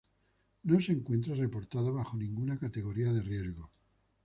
No se encuentra reportada bajo ninguna categoría de riesgo.